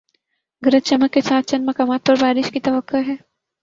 گرج چمک کے ساتھ چند مقامات پر بارش کی توقع ہے